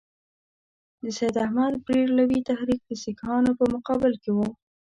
د سید احمدبرېلوي تحریک د سیکهانو په مقابل کې وو.